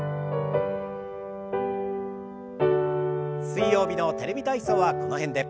水曜日の「テレビ体操」はこの辺で。